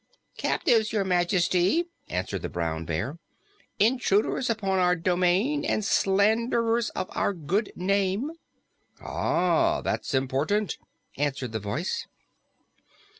"Captives, Your Majesty!" answered the Brown Bear. "Intruders upon our domain and slanderers of our good name." "Ah, that's important," answered the voice.